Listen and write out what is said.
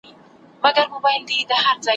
خو څرنګه چي د پښتو په ژبه کي `